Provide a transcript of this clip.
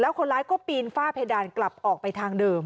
คนร้ายก็ปีนฝ้าเพดานกลับออกไปทางเดิม